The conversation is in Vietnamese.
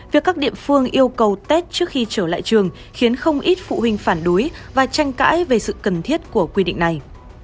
việc các địa phương yêu cầu tết trước khi trở lại trường khiến không ít phụ huynh phản đối và tranh cãi về sự cần thiết của quy định này